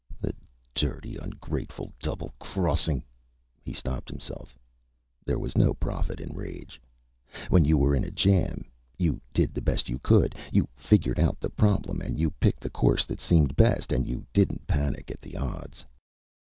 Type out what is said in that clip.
"The dirty, ungrateful, double crossing " He stopped himself. There was no profit in rage. When you were in a jam, you did the best you could. You figured out the problem and you picked the course that seemed best and you didn't panic at the odds.